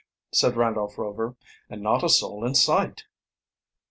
said Randolph Rover. "And not a soul in sight."